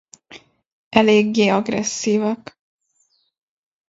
Elégé agresszívak.